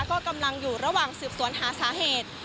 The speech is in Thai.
ก็กำลังอยู่ระหว่างสืบสวนหาสาเหตุ